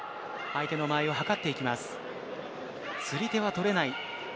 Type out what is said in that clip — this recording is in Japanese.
相手の間合いをはかっていきます。